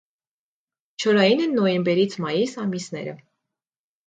Չորային են նոյեմբերից մայիս ամիսները։